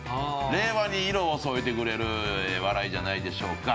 令和に色を添えてくれる笑いじゃないでしょうか。